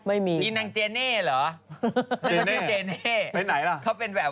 อ่ะมีนางเจเน่เหรอ